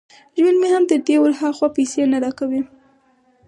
ژوند مې هم تر دې ور هاخوا پيسې نه را کوي.